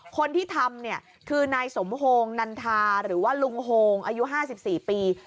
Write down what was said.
คนที่ทำเนี่ยคือนายสมโฮงนันทาหรือว่าลุงโฮงอายุ๕๔ปี